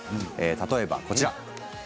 例えば、こちら。